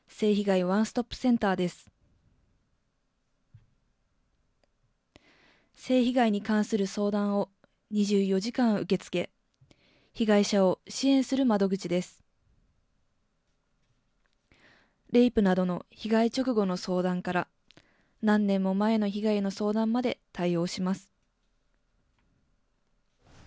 レイプなどの被害直後の相談から、何年も前の被害の相談まで対応します。